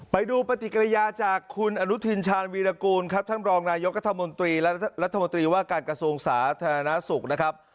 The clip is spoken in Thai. ไปดูปฏิกิริยาจากคุณอนุทินชาญวีรกูลครับท่านรองนายกัธมนตรีและรัฐมนตรีว่าการกระทรวงสาธารณสุขนะครับ